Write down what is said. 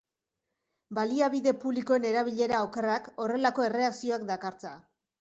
Baliabide publikoen erabilera okerrak horrelako erreakzioak dakartza.